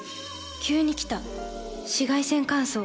急に来た紫外線乾燥。